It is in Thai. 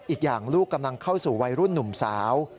อีกอย่างลูกกำลังเข้าสู่วัยรุ่นหนุ่มสาว